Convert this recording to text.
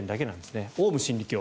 オウム真理教。